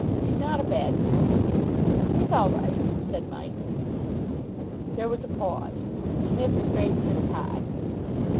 He's not a bad cove." "He's all right," said Mike. There was a pause. Psmith straightened his tie.